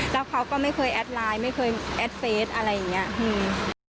แล้วเขาก็ไม่เคยแอดไลน์ไม่เคยแอดเฟสอะไรอย่างเงี้ยอืม